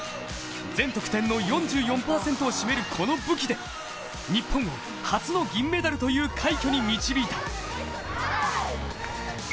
全得点の４４％を占めるこの武器で日本を初の銀メダルという快挙に導いた。